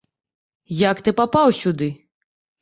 Як ты папаў сюды?